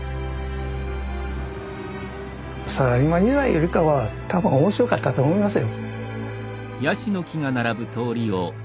サラリーマン時代よりかは多分面白かったと思いますよ。